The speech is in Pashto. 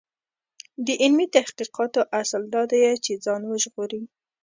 د علمي تحقیقاتو اصل دا دی چې ځان وژغوري.